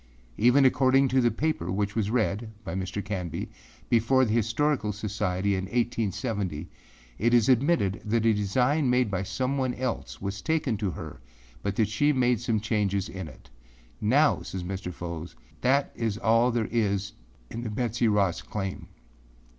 Even according to the paper which was read (by Mr. Canby) before the (Historical) Society in 1870, it is admitted that a design made by someone else was taken to her but that she made some changes in it. Now,â says Mr. Fow, âthat is all there is in the Betsey Ross claim.